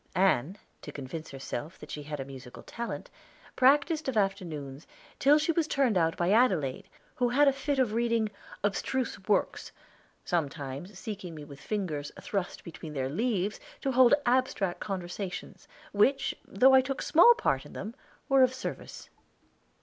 Ann, to convince herself that she had a musical talent, practiced of afternoons till she was turned out by Adelaide, who had a fit of reading abstruse works, sometimes seeking me with fingers thrust between their leaves to hold abstract conversations, which, though I took small part in them, were of service.